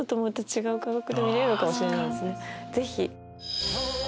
ぜひ。